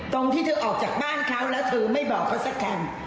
ตรงที่เธอออกจากบ้านเขาแล้วเธอไม่บอกเขาสักคัน